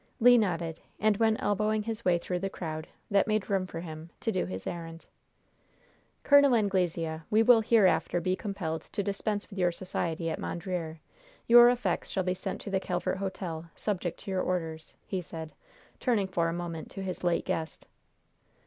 Le nodded, and went elbowing his way through the crowd that made room for him to do his errand. "Col. Anglesea, we will hereafter be compelled to dispense with your society at Mondreer. Your effects shall be sent to the Calvert Hotel, subject to your orders," he said, turning for a moment to his late guest.